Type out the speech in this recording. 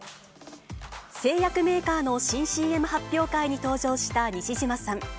製薬メーカーの新ＣＭ発表会に登場した西島さん。